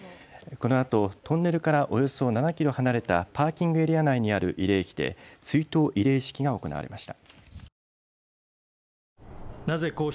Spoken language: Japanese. このあとトンネルからおよそ７キロ離れたパーキングエリア内にある慰霊碑で追悼慰霊式が行われました。